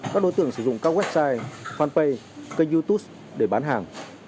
các đối tượng sử dụng các website fanpage kênh youtube để bán hàng